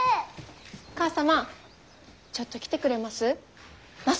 母さまちょっと来てくれます？